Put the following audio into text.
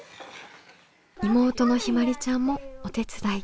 妹のひまりちゃんもお手伝い。